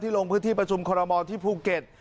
ลงพื้นที่ประชุมคอรมอลที่ภูเก็ต